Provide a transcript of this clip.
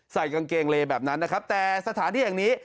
ใส่กางเกงเลแบบนั้นนะครับแต่สถานที่แห่งนี้